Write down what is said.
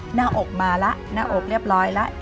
หน้าอกมาแล้วหน้าอกเรียบร้อยแล้ว